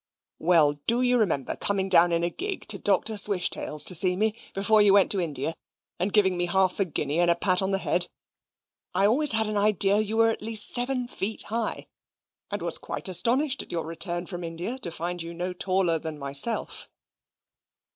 "Well, do you remember coming down in a gig to Dr. Swishtail's to see me, before you went to India, and giving me half a guinea and a pat on the head? I always had an idea that you were at least seven feet high, and was quite astonished at your return from India to find you no taller than myself."